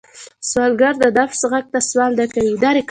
سوالګر د نفس غږ ته سوال نه کوي